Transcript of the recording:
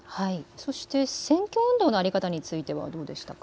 そして選挙運動の在り方についてはどうですか。